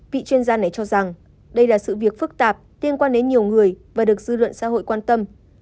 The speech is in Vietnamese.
vị chuyên gia này cho rằng đây là sự việc phức tạp liên quan đến nhiều người và được dư luận xã hội quan tâm